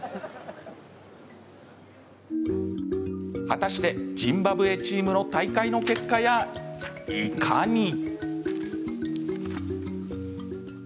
果たして、ジンバブエチームの大会の結果やいかに。